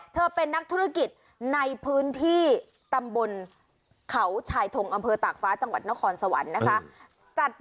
เป็นนักธุรกิจในพื้นที่ตำบลเขาชายทงอำเภอตากฟ้าจังหวัดนครสวรรค์นะคะ